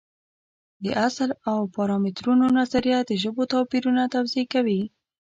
د اصل او پارامترونو نظریه د ژبو توپیرونه توضیح کوي.